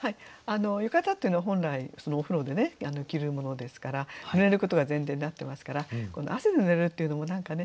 浴衣っていうのは本来お風呂で着るものですからぬれることが前提になってますから汗でぬれるっていうのも何かね